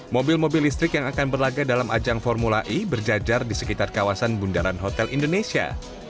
mobil mobil listrik yang akan berlagak dalam ajang formula e berjajar di sekitar kawasan bundaran hotel indonesia